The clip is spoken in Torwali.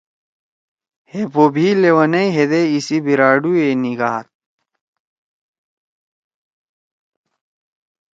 ہے پو بھی لیونئی ہیدے ایسی بھیراڈُو ئے نیِگھاد۔